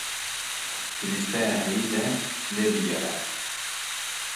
Di lîsteya heyî de lê bigere.